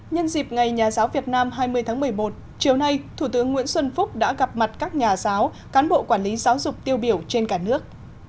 nhân dịp ngày nhà giáo việt nam hai mươi tháng một mươi một chiều nay thủ tướng nguyễn xuân phúc đã gặp mặt các nhà giáo cán bộ quản lý giáo dục tiêu biểu trên cả nước